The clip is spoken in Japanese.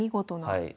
はい。